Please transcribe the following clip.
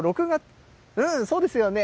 そうですよね。